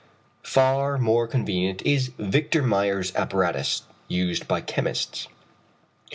Far more convenient is Victor Meyer's apparatus, used by chemists.